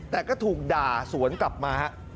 แต่ก็ถูกด่าสวนกลับมาฮะ